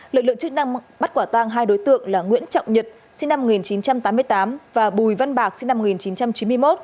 lực lượng chức năng bắt quả tang hai đối tượng là nguyễn trọng nhật sinh năm một nghìn chín trăm tám mươi tám và bùi văn bạc sinh năm một nghìn chín trăm chín mươi một